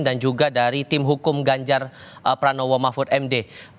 dan juga dari tim hukum ganjar pranowo mahfud md